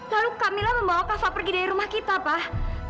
lalu kamila membawa kafa pergi dari rumah kita pak